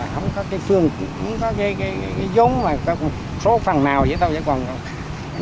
không có cái dống số phần nào gì thôi